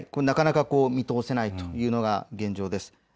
なかなか見通せないというのが現状です。